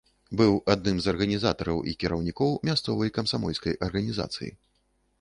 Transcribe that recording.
Быў адным з арганізатараў і кіраўнікоў мясцовай камсамольскай арганізацыі.